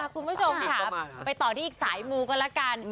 คุณผู้ชมค่ะไปต่อที่อีกสายมูกันแล้วกัน